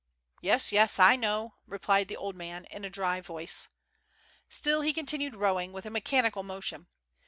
'' "Yes, yes; I know," replied the old man, in a dry voice. Still he continued rowing, with a mechanical motion.